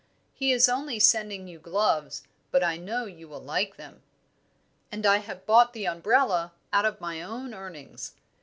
He is only sending you gloves, but I know you will like them. "And I have bought the umbrella out of my own earnings.